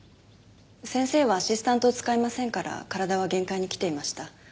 先生はアシスタントを使いませんから体は限界にきていました。